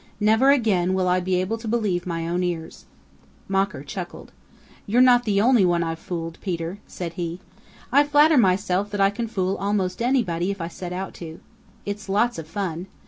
Never again will I be able to believe my own ears." Mocker chuckled. "You're not the only one I've fooled, Peter," said he. "I flatter myself that I can fool almost anybody if I set out to. It's lots of fun.